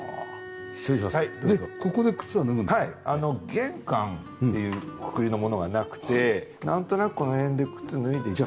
玄関っていうくくりのものがなくてなんとなくこの辺で靴を脱いで頂いて。